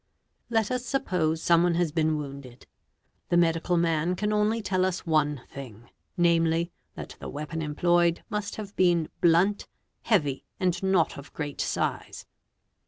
Let us suppose someone has been wounded: the medical man can — only tell us one thing, namely that the weapon employed' must have : been blunt, heavy, and not of great size.